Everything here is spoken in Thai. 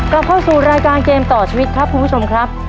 กลับเข้าสู่รายการเกมต่อชีวิตครับคุณผู้ชมครับ